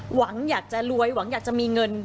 หวังอยากจะรวยหวังอยากจะมีเงิน